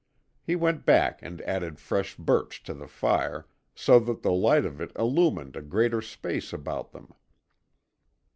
He went back and added fresh birch to the fire, so that the light of it illumined a greater space about them.